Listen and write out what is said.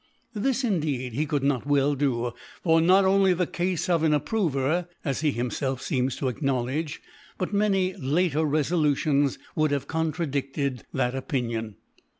ThtB indeed he could not well do ; for not onJy the Cafe of an Approver, as be himfelf ' feems to acknowledge, but many later Refo^ Jutions would have contradiAed that Opt* .nioD.